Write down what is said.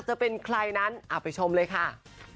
จะเป็นใครนั้นเอาไปชมเลยค่ะ